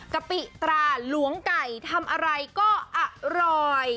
กะปิตราหลวงไก่ทำอะไรก็อร่อย